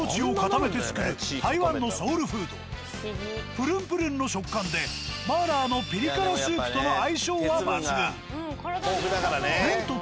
プルンプルンの食感で麻辣のピリ辛スープとの相性は抜群。